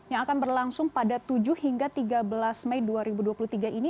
yang akan berlangsung pada tujuh hingga tiga belas mei dua ribu dua puluh tiga ini